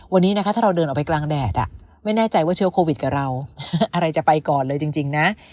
วันนี้นะคะถ้าเราเดินออกไปกลางแดดไม่แน่ใจว่าเชื้อโควิดกับเราอะไรจะไปก่อนเลยจริงนะ